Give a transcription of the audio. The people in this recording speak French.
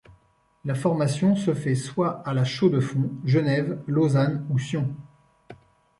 La formation se fait soit à la Chaux-de-Fonds, Genève, Lausanne ou Sion.